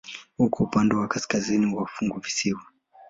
Uko upande wa kaskazini wa funguvisiwa.